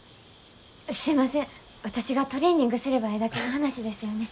すいません私がトレーニングすればええだけの話ですよね。